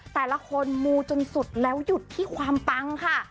แต่ละคนมูจนสุดแล้วหยุดที่ความปังค่ะ